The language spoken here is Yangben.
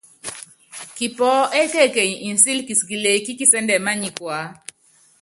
Kipɔɔ́ ékekenyi nsíli kisikili ekí kisɛ́ndɛ́ mányikuá.